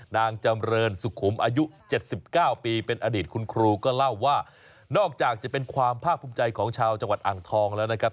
นางจำเรินสุขุมอายุ๗๙ปีเป็นอดีตคุณครูก็เล่าว่านอกจากจะเป็นความภาคภูมิใจของชาวจังหวัดอ่างทองแล้วนะครับ